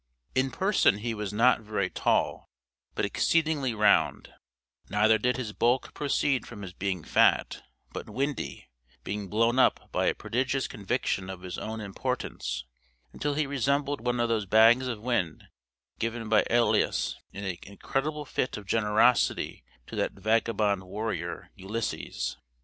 In person he was not very tall, but exceedingly round: neither did his bulk proceed from his being fat, but windy; being blown up by a prodigious conviction of his own importance, until he resembled one of those bags of wind given by Æolus, in an incredible fit of generosity to that vagabond warrior, Ulysses.